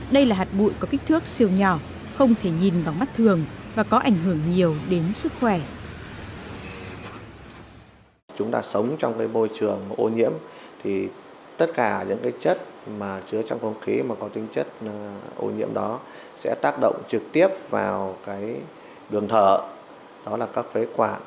đây là hạt bụi có kích thước siêu nhỏ không thể nhìn bằng mắt thường và có ảnh hưởng nhiều đến sức khỏe